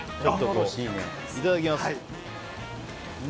いただきます。